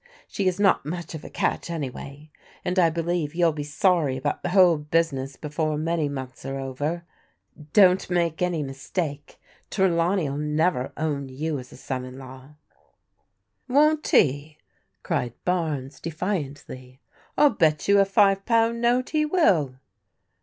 She is not much of a catch anyway, and I believe you'll be sorry about the whole business before many months are over. Don't make any mistake; Trela¥meyll never own you as a son in law." " Won't he !" cried Barnes defiantly. " 111 bet you a five poimd note he will."